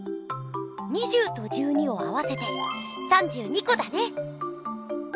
２０と１２を合わせて３２こだね！